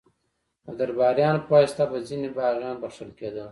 د درباریانو په واسطه به ځینې باغیان بخښل کېدل.